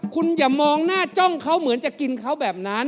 คุณอย่ามองหน้าจ้องเขาเหมือนจะกินเขาแบบนั้น